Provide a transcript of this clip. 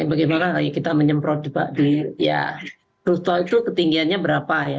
bagaimana kita menyemprot di rooftop itu ketinggiannya berapa ya